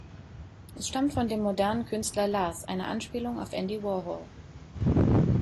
Es stammt von dem modernen Künstler Lars, einer Anspielung auf Andy Warhol.